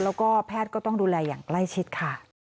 แล้วก็แพทย์ก็ต้องดูแลอย่างใกล้ชิดค่ะ